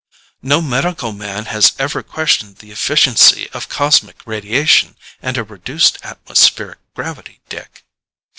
"No medical man has ever questioned the efficiency of cosmic radiation and a reduced atmospheric gravity, Dick."